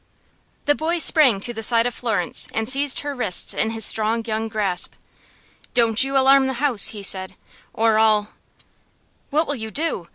The boy sprang to the side of Florence, and siezed her wrists in his strong young grasp. "Don't you alarm the house," he said, "or I'll " "What will you do?"